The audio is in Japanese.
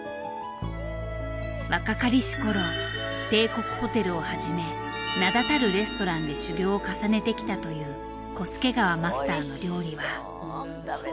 若かりし頃帝国ホテルをはじめ名だたるレストランで修業を重ねてきたという小助川マスターの料理は。